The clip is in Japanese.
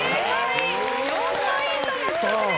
４ポイント獲得です。